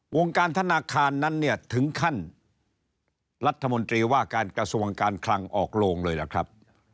วงการธนาคารนั้นเนี่ยถึงขั้นรัฐมนตรีว่าการกระทรวงการคลังออกโลงเลยล่ะครับ